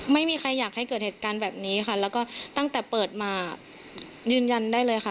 ไม่มีใครอยากให้เกิดเหตุการณ์แบบนี้ค่ะแล้วก็ตั้งแต่เปิดมายืนยันได้เลยค่ะ